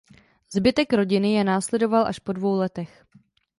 Zbytek rodiny je následoval až po dvou letech.